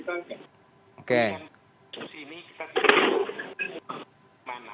dan ke sini kita tidak tahu bagaimana